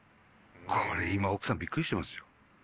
これ今奥さんびっくりしてますよ。